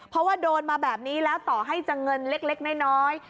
เพราะว่าโดนมาแบบนี้แล้วต่อให้จะเงินเล็กน้อย